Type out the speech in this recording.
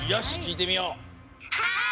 はい！